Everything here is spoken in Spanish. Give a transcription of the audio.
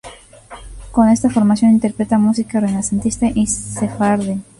Con esta formación interpreta música renacentista y sefardí.